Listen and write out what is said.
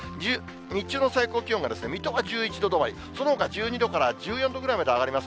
日中の最高気温が、水戸は１１度止まり、そのほか１２度から１４度ぐらいまで上がります。